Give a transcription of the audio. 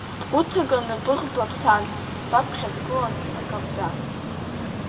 Бгәы ҭыган быӷба бҭан, баԥхьа дгылан акаԥдан.